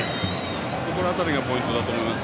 その辺りがポイントだと思います。